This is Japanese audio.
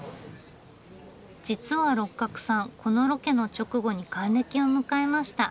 実は六角さんこのロケの直後に還暦を迎えました。